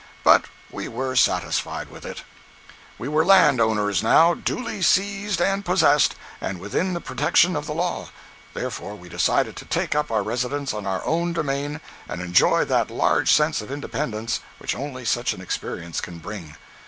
But we were satisfied with it. We were land owners now, duly seized and possessed, and within the protection of the law. Therefore we decided to take up our residence on our own domain and enjoy that large sense of independence which only such an experience can bring.